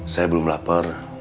saya belum lapar